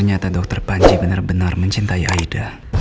ternyata dokter panji benar benar mencintai aida